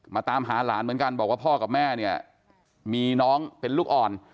ตามหาหลานเหมือนกันบอกว่าพ่อกับแม่เนี่ยมีน้องเป็นลูกอ่อน